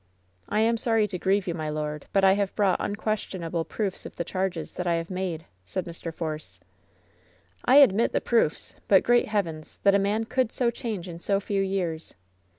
"I am sorry to grieve you, my lord, but I have brought unquestionable proofs of the charges that I have made," said Mr. Force. "I admit the proofs ; but, great heavens, that a man could so change in so few years